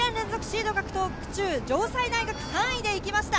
２年連続シード獲得中の城西大学、３位で行きました。